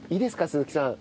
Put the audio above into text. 鈴木さん